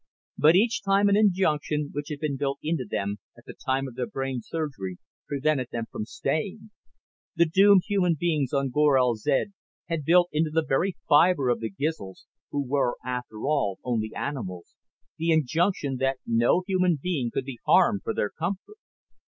But each time an injunction which had been built into them at the time of the brain surgery prevented them from staying. The doomed human beings on Gorel zed had built into the very fiber of the Gizls who were, after all, only animals the injunction that no human being could be harmed for their comfort.